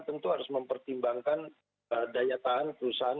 tentu harus mempertimbangkan daya tahan perusahaan